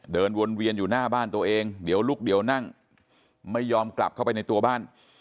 เดินวนเวียนอยู่หน้าบ้านตัวเองเดี๋ยวลุกเดี๋ยวนั่งไม่ยอมกลับเข้าไปในตัวบ้าน